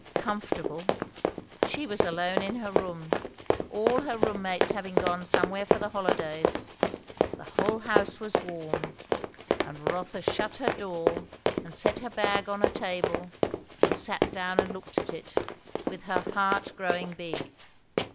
Comfortable! She was alone in her room, all her roommates having gone somewhere for the holidays; the whole house was warm; and Rotha shut her door, and set her bag on a table, and sat down and looked at it; with her heart growing big.